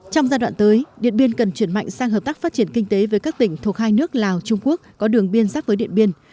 trong giai đoạn tới điện biên cần chuyển mạnh sang hợp tác phát triển kinh tế với các tỉnh thuộc hai nước lào trung quốc có đường biên giáp với điện biên